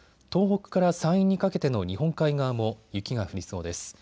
東北から山陰にかけての日本海側も雪が降りそうです。